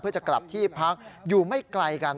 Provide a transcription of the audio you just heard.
เพื่อจะกลับที่พักอยู่ไม่ไกลกัน